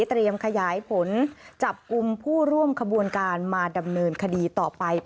ขยายผลจับกลุ่มผู้ร่วมขบวนการมาดำเนินคดีต่อไป